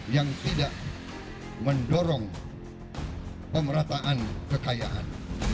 yang tidak mendorong pemerataan kekayaan